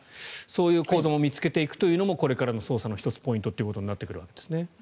そういう口座も見つけていくというのもこれからの捜査の１つのポイントになってくるわけですね。